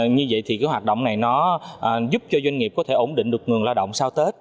như vậy thì cái hoạt động này nó giúp cho doanh nghiệp có thể ổn định được nguồn lao động sau tết